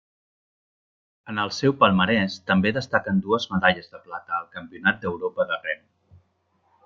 En el seu palmarès també destaquen dues medalles de plata al Campionat d'Europa de rem.